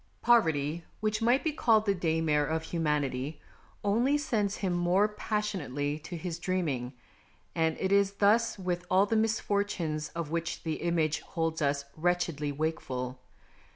Poverty, which might be called the daymare of humanity, only sends him more passionately to his dreaming, and it is thus with all the misfortunes of which the image holds us wretchedly wakeful.